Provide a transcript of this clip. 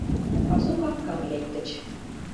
Пасу капкам лектыч.